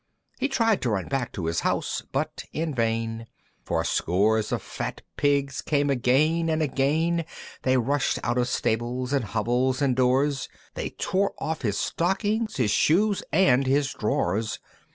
He tried to run back to his house, but in vain, For scores of fat Pigs came again and again; They rushed out of stables and hovels and doors, They tore off his Stockings, his Shoes, and his Drawers.